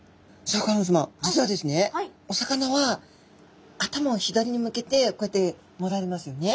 実はですねお魚は頭を左に向けてこうやってもられますよね。